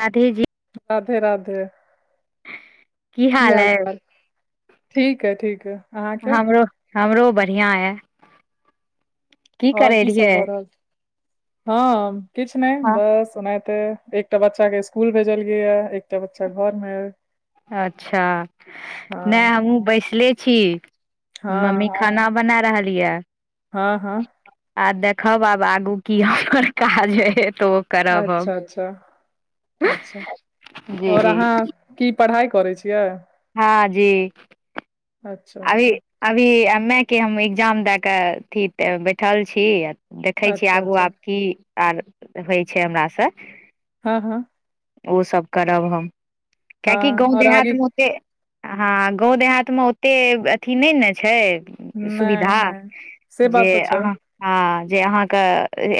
गाधी जी राधे राधे की हाल चाल ठीक यै ठीक यै अहाँके हमरो हमरो बढ़िआँ यए आओर की सब रहियै भ रहल छै हँ किछु नै हँ बस ओनाहिते एकटा बच्चा के इस्कूल भेजलियैया एकटा बच्चा घर मे यै अच्छा नैय हँ हमहुँ बैसले छी मम्मी हँ खाना बना रहल यऽ हँ हँ आ देखब आब आगू की हमर काज हय तो अच्छा अच्छा अच्छा जी आओर जी अहाँ की पढ़ाइ करै छियाय हँ जी अच्छा अभी अच्छा अभी एमे के हम एग्जाम दए कऽ अथी तऽ बैठल छी देखै छियै अच्छा आगू अच्छा आब की आर होइ छैय हमरा सऽ हँ हँ ओसब करब हम कियाकि हँ गाँव और आगे देहातमे ओते हँ गाँव देहातमे ओते अथी नै ने छैय सुविधा नहि नहि से बात जे तऽ छै अहाँ हँ जे अहाँके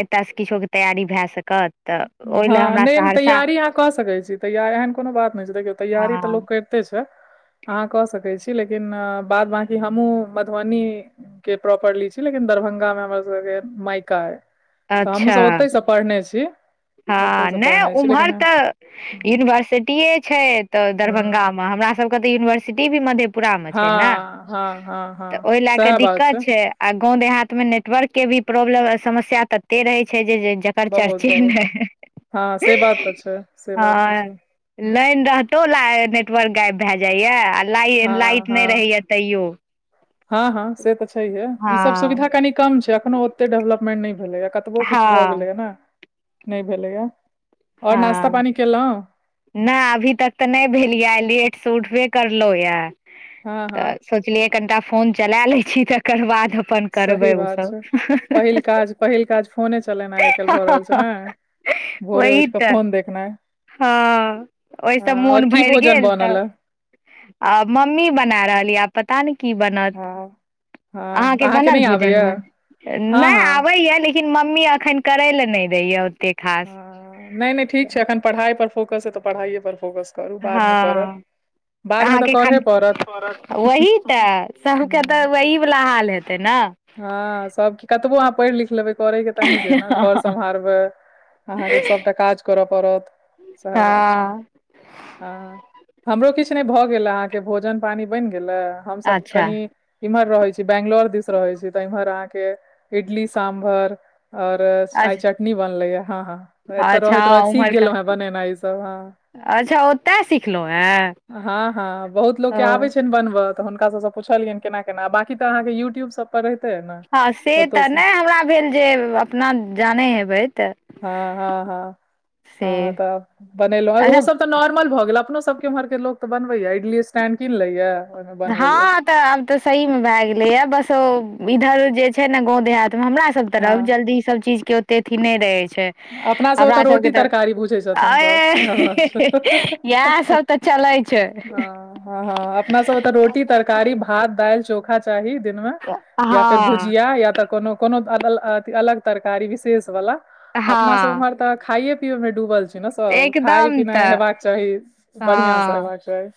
एतयसँ किछोके तैयारी भए सकत तऽ ओहि लए हँ हमरा नै सहरसा तैयारी अहाँ कऽ सकै छी तैया देखीयौ एहन कोनो बात नै छै देखियौ तैयारी तऽ हँ लोक [unintelligible] अहाँ कऽ सकै छी लेकिन बाद बाकी हमहु मधबनी के प्रॉपरली छी लेकिन दरभंगा मे हमर सबके मायका यै तऽ हमहु अच्छा सब ओतईसँ पढ़ने छी ओतहि हँ से नै पढ़ने छी उम्हर लेकिन हँ तऽ यूनिवर्सिटीए छैय एतऽ दरभंगामे हमरा सबके तऽ यूनिवर्सिटी भी मधे पूरा मे छैय ना हँ हँ हँ हँ तऽ ओय लाक सएह बात छै दिक्कत छैय। आ गांव देहात में नेटवर्क के भी प्रॉब्लम समस्या तते रहे छैय जे जकर चर्चे ने नैय हा से बात तऽ छैय से बात तऽ हँ छैय। लाइन रहतो ला नेटवर्क गायब भै जाइयै आ लाइ हँ लाइट नैय हँ मेंरहैय तैयो। हँ हँ से तऽ छैय। छहिए ई सब सुविधा हँ कनि कम छै अखनो ओते डेवलपमेंट नहि भेलै यै कतबो किछ भऽ हँ गेलैय ने। नैय भेलैय आओर नास्ता पानी कैलोउ नै अभी तक तऽ नहि भेल यै आइ लेटसँ उठबे करलहुँ यऽ हँ तऽ हँ सोचलियै कनिटा फोन चलै लै छी तकर बाद- अपन करबै सही बात ओसभ छैय पहिल काज पहिल काज फोने चलेनाइ आइ काल्हि भऽ रहल छैय नै? भोरे उठि क [unintelligible] हँ हँ ओहिसँ आओर मोन की भरि भोजन गेल तऽ बनल ह आ मम्मी बना रहल यऽ आ पता नैय की बनत। हँ हँ अहाँके बनल नहि भोजन आबैया भात हँ नैय हँ आबै यै लेकि लेकिन मम्मी अखन करे लय नैय दय यै ओते खा हँ नैय नैयठीक छैय अखन पढ़ाई पर फोकस य तऽ पढ़ाइए पर फोकस करू बादमे करब हँ बादमे तऽ करहे पड़त। तैयसबके तऽ हूँ वही वला हाल हेतै नैय हँ सबके कि कतबो अहाँ पढ़ लिख लेबै। करय के तऽ अहिके अय न घर सम्हारबै अहाँके सबटा काज करऽ पड़त। सेहा बात छैय। ओर हँ हमरो किछु नहि भऽ गेल अहाँके भोजन पानी बनि गेल हमसभ अच्छा कनि इम्हर रहय छी बैंगलोर दिस रहै छी तऽ इम्हर अहाँके इडली साम्भर और आइ अच्छा चटनी बनले या हा हा एतऽ अच्छा रहैत -रहैत सीख उम्हरका गोलोउहें बनेनाइ ई सब हाँ। अच्छा ओतय सिखलहुँ हेँ हँ हँ बहुत लोक के आबे ओ छैय नै बनब तऽ हुनका सबसँ पूछलियनि केना केना बाकी त अहाँके यू ट्यूब से सब पर रहिते ऐना हँ से तऽ नैय हमरा भेल जे अपना जानै हेबै तऽ हँ हँ हँ से हँ ह तऽ बनेलो ओ अच्छा सब तऽ नॉर्मल भ गेल अपनो सब एमहर के लोग त बनबै यै इडली स्टैंड कीन लेयै हऽ तऽ आब तऽ सही मे भैय गेले यै बस इधर जे छैय ने गांव देहात मे हमरा सब हँ तरबजल्दी ई सब चीज के ओते अथी नैय रहे छैय। अपना सभ ओतऽ रोटी तरकारी बुझै छथिन अ सभ सएह बात छैय हे हे इएह हे। सब तऽ चलै छै ह हँ हँ अपना सब तऽ रोटी तरकारी भात, दाइल, चोखा चाही दिनमे या फेर हँ भुजिया या तऽ कोनो कोनो अ अलग तरकारी विशेष वला अपना सब हँ उम्हर त खाये पीये में डूबल छियई ने सब खाय एकदम पिनाय तऽ हेबाक चाही बढ़िआं से हँ हेबाक चाही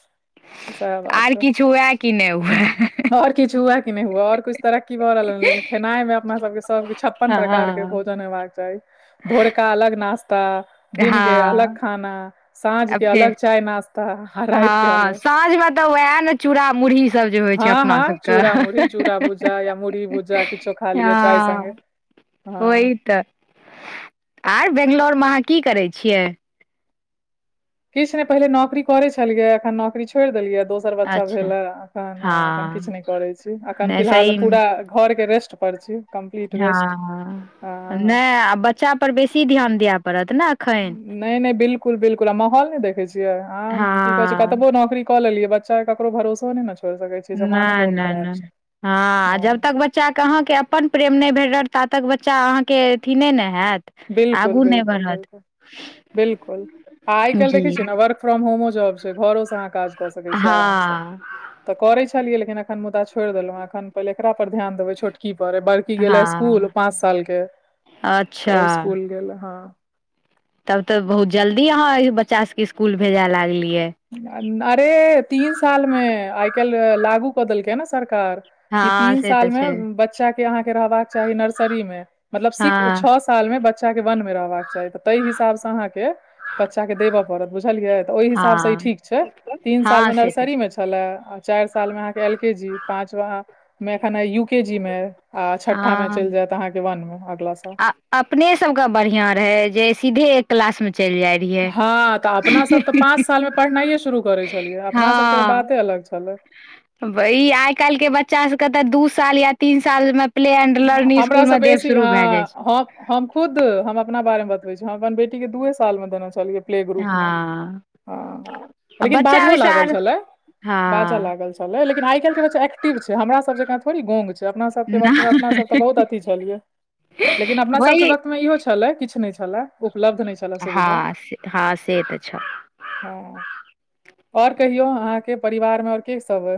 सएह आर किछु हुए कि नैय हुए। आओर किछु हुए कि नैय हुए आओर कुछ तरक्की भऽ रहल अय लेकिन खेनाइमे अपना सबके सब किछु छप्पय न प्रकार के हँ भोजन हेबाक चाही भोर का अलग नाश्ता दिन के अलग हँ खाना साँझ आ के फेर अलग चाय नाश हँ साँझ मे तऽ उएह ने चूरा मुुरी सब जे होइ छै हँ अपना हँ सबके चूड़ा मुरही चूड़ा भुज्जा या मुरही भुज्जा किछो खा लिअ चाय संगे हँ----हँ हँ ओहि तऽ आई बेंगलौरमे अहाँ की करै छियै? किछ नै पहिले नौकरी करै छलियैया अखन नौकरी छोड़ि दिलियैया दोस दोसर बच्चा अच्छा भेला अखन हाँ किछ हँ नै करै छी अखन नहि सही फिलहाल पूरा घर के रेस्ट परची हँ नै आ बच्चा पर बेसी ध्यान दिअ पड़त न नै नै बिल्कुल बिल्कुल आ माहौल नै देखै छियै अ की कहै छै हँ कतबो नौकरी कऽ लेलियै बच्चा केकरो भरोसो नै न छो ना ना ना हँ आ जब तक बच्च अहाँके अपन प्रेम नै भेटत ता तक बच्चा अहाँके अथी नै ने हयत बिल्कुल बिल्कुल बिल्कुल बिल्कुल हाआ आइ काल्हि देखै जी छियै न वर्क फ्रॉम होमो जॉब छै घरो स अहाँ काज कऽ सकै छी आरामसँ हँ तऽ करै छलियै लेकिन एखन मुदा छोड़ि देलौहें पहिले एकरा पर ध्यान देबै छोटकी पर की गेलए इसकूल पाँच साल के यै अत तऽ ओ इस्कुल गेलए हँ तब तऽ बहुत जल्दी अहाँ अही बच्चा सबके इसकुल भेज लागलियै अरे तीन सालमे आइ काल्हि लागू कऽ देलकै य न सरकार कि हँ तीन से तऽ साल मे छै बच्चा के अहाँके रहबाक चाही नर्सरी मे मतलब सीख छ हँ साल मे बच्चा के वन मे रहबाक चाही तऽ तैई हिसाब स अहाँके बच्चा के देबऽ पड़त बुझलियै ओई हिसाब स ई हँ ठीक छै तीन साल हँ मे से तऽ नर्सरी मे छै छलए आ चारि साल मे अहाँके एल के जी पाँचवा मे एखन अई यू के जी मे आ छठ्ठा मे चलि हँ जायत अहाँके वनमे अगला साल आ अपने सब के बढ़िया रहै जे सीधे एक क्लास मे चलि जाय हँ तऽ अपनासब तऽ पाँच सालमे पढ़नाइए शुरू करै छलियै अपनासबके तऽ बाते अलग छलै वई आइ काल्हिके बच्चा सबके तऽ दू साल या तीन सालमे प्ले एंड लर्निंग इस्कूल हमरासँ मे देव बेसी शुरू भय जाय हँ छै हम हम खुद हम अपना बारे मे बतबै छी हम अपना बेटी के दूए साल मे देने छलियै प्ले ग्रुप मे हँ हँ आ लेकिन बच्चा बाजहो ओहिस लागल आर छलै बाज हँ लागल छलै लेकिन आइ काल्हि के बच्चा एक्टिव छै हमरा सब जेकां थोड़ी गोंग छै अपना सब त नहि अपना सब तऽ बहुत अथी छलियै लेकिन अपना सबके वही वक्तमे इहो छलए किछु नै छलए उपलब्ध नै छलए सुविधा हँ से हँ से त छ हँ आओर कहियौ अहाँके परिवारमे आओर के सब अई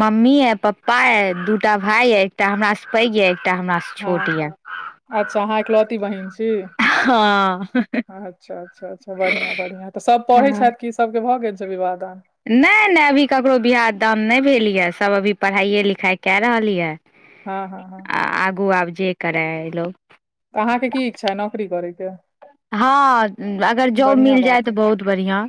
मम्मी यै पप्पा यै दूटा भाय यै एकटा हमरा से पैघ यै एकटा हमरा स हँ अच्छा अहाँ एकलौती बहिन छी हँ अच्छा अच्छा अच्छा बढ़िया बढ़ियाँ तऽ सब पढ़ै छथि कि सबके भऽ गेल छै विवाह दान नै नै अभी ककरो बिआह दाम नै भेलैया सब अभी पढ़ाइए लिखाइ कए रहल यए हँ हँ हँ आ आगू आब जे करै अइ लोग त अहाँके की इच्छा अई नौकरी करयके हँ अगर जॉब बढ़िआँ मिल जाय बात तऽ अइ बहुत बढ़िऑं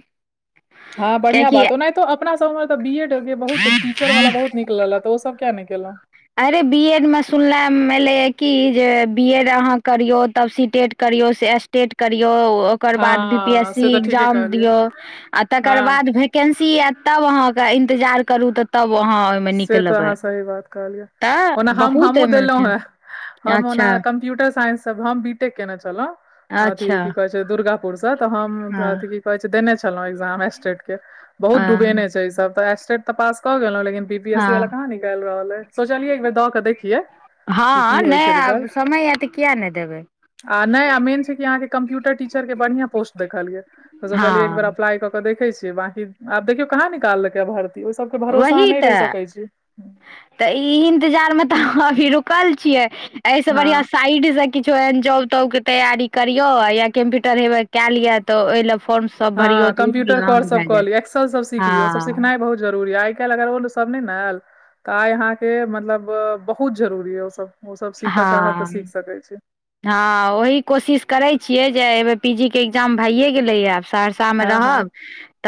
हँ बढ़िया बात ओनाहितो अपना सब मे तऽ बी एड के बहुत टीचर वाला बहुत निक लल तऽ ओ सब किया नै केलहुँ अरे बी एड मे सुनलैम एलैए कि जे बी एड अहाँ करियौ तब सी टेट करियौ से अस्टेट करिऔ ओकर बाद बी पी एस हँ सी से तऽ ठीके एग्जाम कहलियै दियो आ तकर हँ बाद भ केंसिल आयत तब अहा के इंतजार करू ते तब अहा से तऽ आहाँ सही बात कहलियै तऽ ओना हम- बहुत हमहुँ एहिमे छै देलौहं हम अच्छा ओना कम्प्यूटर साइंस सब हम वी- केने छलहु अच्छा अथि की कहे छै दुर्गापुर से तऽ हम अथ हँ की कहे छै देने छलं छलों एग्जाम एस्टेट के बहुत दुबे हँ ने छै इ सब त एस्टेट त पास क गेलों लेकिन बी बी एस ई वाला हँ कहाँ निकाल रहल है सोचलियै एक बेर दौ के देखिये ह नैय आब समय आ तऽ किए नै देबै आ नै मेन छै कि अहाके कम्प्यूटर टीचर के बढ़ियां पोस्ट देखलियै त सोचलिय एक बेर हँ अप्लाई कऽ देखै छियै बाकी आब देखियौ कहाँ निकाल कै या भरती वही तऽ तऽ इ इंतजार मे तऽ अभी रुकल छियै एैह से हँ बढ़िया साइड से किछो एहन जॉब- तॉब के तैयारी करियौ या कम्प्यूटर हेबे केएल यऽ तऽ ओय लए फॉर्म सब ह भरियौ तऽ ओ कम्प्यूटर अहाँके कोर्स भए सब कऽ जायत लिय एक्सल सब सिखलिय ओसब हँ सिखनाई बहुत जरूरीया आय कैल अगर ओ सब नै न आइल तऽ आय यहाँ के मतलब बहुत जरुरी अैय ओ सब हं ह ओहि कोशिश करैय छियै जे ऐयबेेर पीजी के इग्जाम भइए गेलैए आब सास सर्षा मे हँ हँ रहब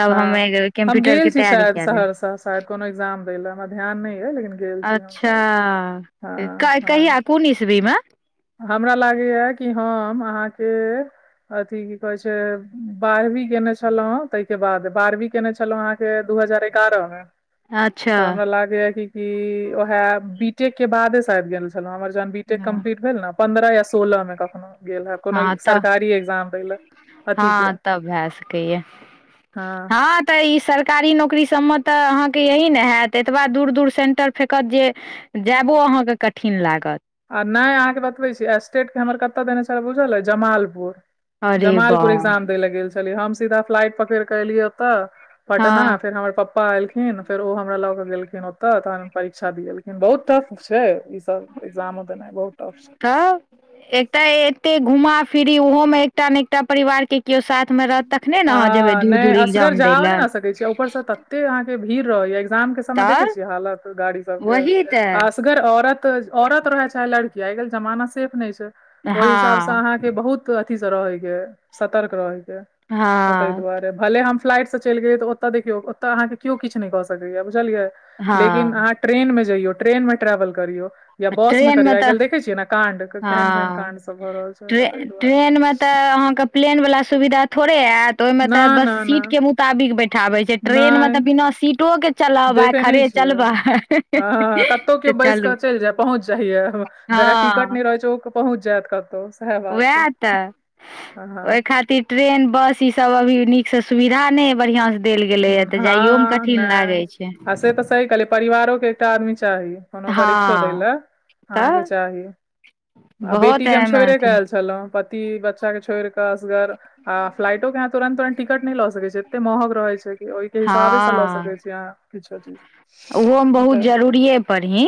तब हम हँ हम कम्प्यूटर गेल के छी तैयारी शायद कए लेब सहरसा शायद कोनो एग्जाम दै लऽ हमरा ध्यान नैह यै लेकिन गेल छी हम अच्छा शायद कै हँ -कैहिया हँ कोन ईसवी मे हमरा लागैया कि हम आहाँ के अथी की कहेै छै बारहवीं केने छलौ हं तैह के बाद बारहवीं केने छलौं हं फेर दू हजार एग्यारह मे अच्छा तऽ हमरा लागैया कि क ओहे बी टेक के बादे शायद गेल हमर जहन बीटेक कम्पलीट भेल न पंन्द्रह य सोलह मे कखनो गेल है अब कोनो सरकारी एग्जाम दै लए ह अथी के तब भए सकैय हँ ह तऽ इ सरकारी नौकरी सब मे तऽ आहाँ के यही ने हऽत एतबा दूर -दूर सेंटर फेेकत जे जाएबो आहाँ के कठिन लागत आ नैय आहाँ के बतबै छी स्टेट के हमर कतऽ देने छल बुझल ऐ जमालपुर अरे जमालपुर बाह एग्जाम दै लए गेल ल हम सीधा फ्लाइट पकैड़ क एलियै ओतऽ पटना हँ फेर हमर प्पपा एलखिन फेर ओ हमरा ल के गेलखिन ओतऽ तहन परीक्षा दियेलखिन बहुत टफ छै इ सब एग्जामो देना बहुत टफ छ तऽ एकटा एते घूमा- फिरी ओहो में एकटा ने एकटा परिवार के केओ साथ मे रहत तखने ने आहाँ जेबै आ दूर- नहि दूर एग्जाम दैय लए एते आहाँ के भीड़ रहै या एग्जाम के समय देखे तऽ छियै हालत गाड़ी सब के वही तऽ आ अगर औरत -औरत रहेऽ चाहे लड़की आय -कैल जमाना सेफ नै छै ओय हिसाब से हँ आहाक के बहुत अथी से रहैय के सतर्क रहेैय के तऽ तैय हँ दुआरे भले हम फ्लाइट स चैल गेलै ओतऽ देखियौ ओतऽ आहाँके कियो किछ नैय कऽ सकैया बुझलियै लेकिन हँ अहाँ ट्रेन मे जइयौ ट्रेन मे ट्रेवल करियौ या बस मे ट्रेन करियौ आइ तऽ कैल्ह देखै छियै न काण्ड के केहन -केहन हँ कांण्ड सब भऽ रहल छै तैय दुआरे प्लेन वला सुविध थोड़े ऐत ओहिमे न तऽ बस न न सीट के बुक मुताबिक बैठाबे छै ट्रेन मे तऽ बिना सीटो के देखैनय छियै ह ह कतौ तऽ कियो बैस चलू कऽ चैल जाय पहुँच जाहिये हँ जकरा टिकट नै रहैय छै उ पहुँच जेत कतौ उएह तऽ हँ ओय खातिर ट्रेन बस इ सब अभी नीक से सुविधा नै बढ़िया स देल गेले या तऽ जाइयो मे हँ, कठिन नहि लागै छै आ से तऽ सही कहै परिवारो के एकटा आदमी चाही कोनो हँ परीक्षो दै लए अहाँके तऽ चाही आ बहुत बेटी के हम एहिमे छोइरेक अथी ऐल छलौ कि बच्चा के छोड़ के असगर आ फ्लाइटो के अहा तुरंत तुंरत टिकट न नय ल सके छै एते महग रहे छै ओहिके हिसाबे से लऽ हँ सकैत छी अहाँ किछो चीज ओहोमे बहुत जरूरिये पढ़ही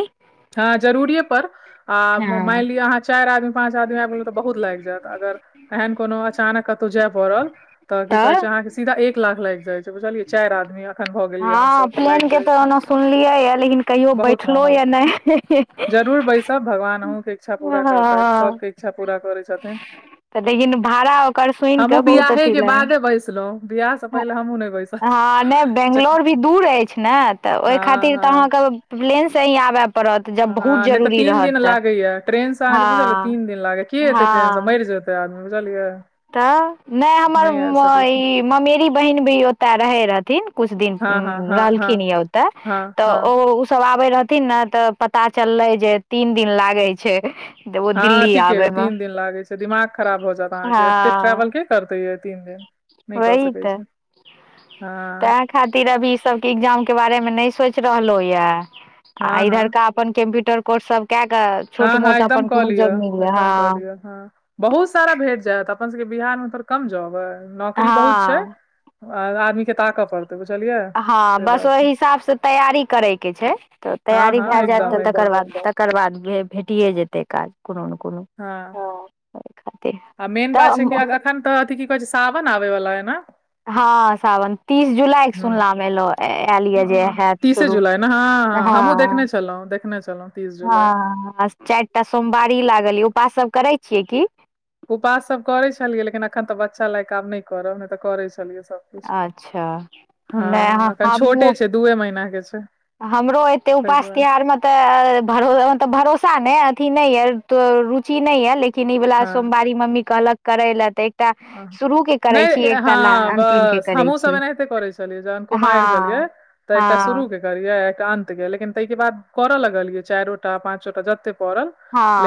ह जरूरिये पर आ मैन हँ लिय आहाँ चैर आदमी पाँच आदमी अैब गेल तऽ बहुत लाइग जेऽत अगर एहन कोनो अचानक कतौ जाय पड़ल तऽ की कहेै छै अहाँ के सीधा एक लाख लैग जाय छै बुझलियै चारि आदमी एखन भऽ गेलियै ह हमसभ तऽ लागि प्लेन के जाइ तऽ छै ओना सुनलियै या लेकिन कहियो बहुत बैठलो या नै हे हे हे तब भगवान अहूँके इच्छा पूरा करताै सबके इच्छा पूरा करै छथिन तऽ लेकिन भाड़ा ओकर सुनि कऽ हमहूँ बहुत बियाहे अथी के लगै बादे बैसलहुँ बियाह से पहिले हमहूँ नहि बैसल हँ नय बेंगलोर भी दूर अछि ने तऽ ओहि हँ खातिर तऽ हँ अहाँक प्लेन से ही आबय पड़त जब बहुत हँ नय तऽ जरूरी तीन रहत दिन तऽ लागैया ट्रेन से अहाँके बुझलया हँ तीन दिन लागया कि ऐतै ट्रेनसँ हँ मर जेतै आदमी बुझलियै तऽ नय हमर नहि आबि सकैत छी ई ममेरी बहिन भी ओत रहै रहथिन कुछ दिन हँ हँ हँ रहलखिन हँ यऽ ओतऽ हँ तऽ हँ ओ सब आबे रहथिन ने तऽ पता चललै जे तीन दिन लागे छै ओ हँ दिल्ली ठीके आबे मे तीन दिन लागे छै दिमाग खराब भऽ जायत हँ अहाँके एते ट्रेवल के करते ये तीन दिन ने कऽ वही सकै छै हँ ओय खातिर अभी ई सब के एग्जाम के बारे मे न सोच रहलो ये आ हँ इधर हँ का अपन कम्प्यूटर कोर्स सब कए कऽ हँ छोट हँ मोट एकदम अपन कऽ कोनो लिअ जॉब मिल जाय। एकदम कऽ लिअ हँ बहुत सारा भेट जायत अपन सबके बिहार मे त कम जाॅब ऐ नौकरी बहुत छै हँ आ आदमी के ताकऽ पड़तै बिझलियए हँ बस ओहि हिसाब से तैयारी करय के छै तऽ हँ तैयारी हँ भए जायत एकदम तऽ तकर एकदम बाद तकर बाद गे भेटिए जेतै काज कोनो ने कोनो हँ ओहि खातिर आ मेन बात तऽ छै कि अगर एखन तऽ अथि की कहे छै सावन आबे वालाया ने हँ सावन तीस जुलाई के ह सुनलामे एलो आयल यए जे हँ हत तीसे जुलाइ ने हँ ह हमहुँ देखने छलहुँ देखने छलहुँ तीस जुलाई हँ चारि टा सोमवारी लागल य उपास सभ करै छियै की उपास सभ करैत छलियै लेकिन एखन तऽ बच्चा लायकऽ आब नय करब नय तऽ करै छलियै सभ अच्छा नहि हँ एखन हमहुँ छोटे छै दूए महीना के छै हमरो एते ताहि उपास दुआरे तिहारमे तय भरोसा नहि अथि नहि य रुचि नहि य लेकिन लेकिन ई वाला हँ सोमवारी मम्मी कहलक करे ले नहि हँ अंतिम के बस करै हमहूँसभ छी एनाहिते करै छलियै जन कुमारि छलियै हँ तऽ एकटा हँ शुरूके करिये एकाअंत य लेकिन ताहि के बाद करऽ लगल ये चारिटा पांचोटा जते पड़ल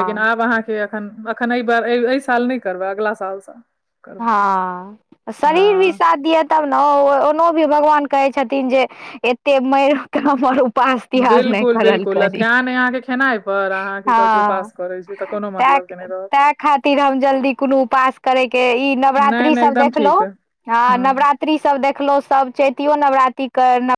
लेकिन आब अहाँके एखन एखन एहि बार एहि साल नहि करबै अगला सालसँ करबै हँ शरीर भी हँ साथ देत तब ने ओनो भी भगवान कहे छथिन जे एते मेर हमर उपास तिहार नहि बिल्कुल करल बिल्कुल आ करी ध्यान अइ अहाँके खेनाइ पर अहाँ की कहै छै हँ उपास करै छी तऽ कोनो मतलब के नहि रहत ताँय खातिर हम जल्दी कोनो उपास करे के ई नहि नवरात्रि नहि सब एकदम देखलो ठीक अइ हँ हुँ नवरात्रि रात्रि सभ देखलहुँ सभ चैतियो नवरात्रिके